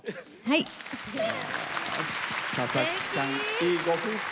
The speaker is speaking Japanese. いいご夫婦。